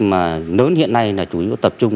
mà lớn hiện nay là chủ yếu tập trung